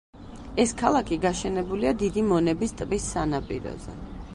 ეს ქალაქი გაშენებულია დიდი მონების ტბის სანაპიროზე.